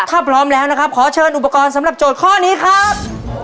ถ้าพร้อมแล้วนะครับขอเชิญอุปกรณ์สำหรับโจทย์ข้อนี้ครับ